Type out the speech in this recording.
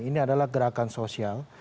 ini adalah gerakan sosial